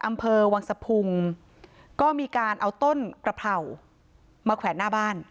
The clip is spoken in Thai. อำเภอวังสะพุงก็มีการเอาต้นกระเพรามาแขวนหน้าบ้าน